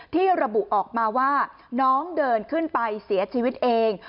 ที่ระบุออกมาว่าน้องเดินขึ้นไปเสียชีวิตเอง